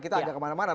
kita agak kemana mana